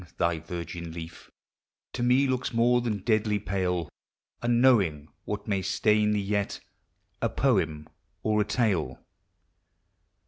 thy virgin leaf To me looks more than deadly pale, Unknowing what may stain thee yet, A poem or a tale.